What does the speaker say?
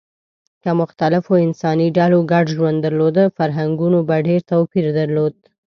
که مختلفو انساني ډلو ګډ ژوند درلود، فرهنګونو به ډېر توپیر درلود.